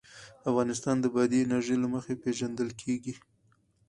افغانستان د بادي انرژي له مخې پېژندل کېږي.